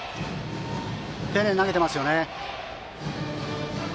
丁寧に投げていますよね。